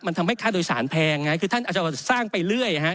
มันทำให้ค่าโดยสารแพงไงคือท่านอาจจะสร้างไปเรื่อยฮะ